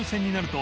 と